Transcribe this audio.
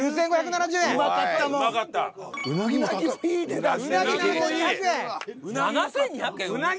７，２００円！？